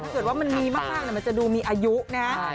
เพราะมันมีมากแต่มันจะดูมีอายุนะค่ะ